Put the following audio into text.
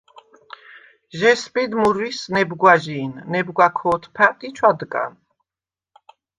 ჟესბიდ მურვისს ნებგვაჟი̄ნ, ნებგვა ქო̄თფა̈ტ ი ჩვადგან.